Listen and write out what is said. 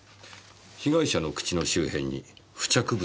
「被害者の口の周辺に付着物」とありますが？